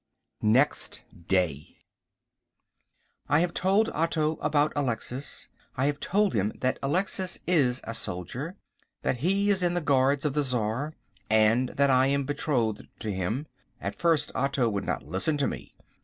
Next Day. I have told Otto about Alexis. I have told him that Alexis is a soldier, that he is in the Guards of the Czar, and that I am betrothed to him. At first Otto would not listen to me.